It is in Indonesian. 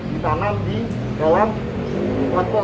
di tanam di dalam kotak